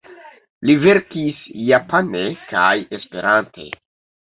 Li verkis japane kaj Esperante.